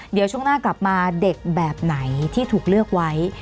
เดี๋ยวช่วงหน้ากลับมาเด็กแบบไหนที่ถูกเลือกไว้